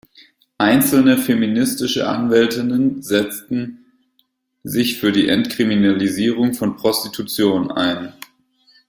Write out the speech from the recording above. Einzelne feministische Anwältinnen setzten sich für die Entkriminalisierung von Prostitution ein.